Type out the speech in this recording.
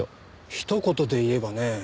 ひと言で言えばね